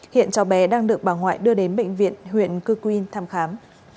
hiện cháu bé đang được bà ngoại đưa đến bệnh viện huyện cư quyên thăm khám